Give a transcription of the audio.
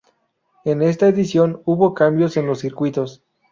En esta edición hubo cambios en los circuitos.